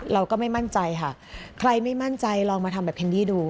เราก็ไม่มั่นใจค่ะใครไม่มั่นใจลองมาทำแบบแคนดี้ดู